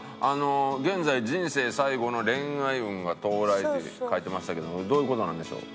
「現在人生最後の恋愛運が到来」という書いてましたけどもどういう事なんでしょう？